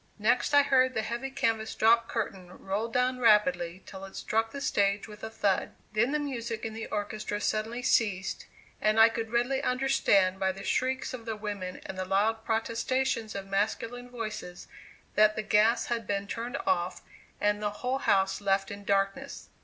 Next, I heard the heavy canvas drop curtain roll down rapidly till it struck the stage with a thud. Then the music in the orchestra suddenly ceased, and I could readily understand by the shrieks of the women and the loud protestations of masculine voices that the gas had been turned off and the whole house left in darkness.